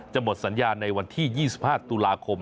หมดสัญญาในวันที่๒๕ตุลาคม